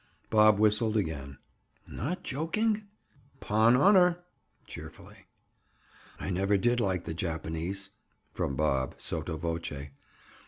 Bob whistled again. "Not joking?" "'Pon honor!" Cheerfully. "I never did like the Japanese," from Bob, sotto voce.